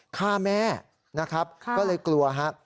ฆ่าแม่นะครับก็เลยกลัวฮะ